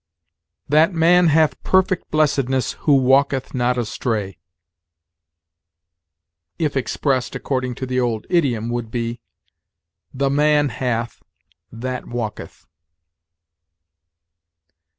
"'That man hath perfect blessedness Who walketh not astray,' if expressed according to the old idiom would be, 'the man hath that walketh.'